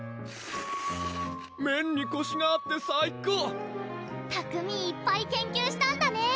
麺にコシがあって最高拓海いっぱい研究したんだね！